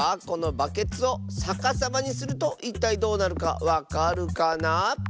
このバケツをさかさまにするといったいどうなるかわかるかな？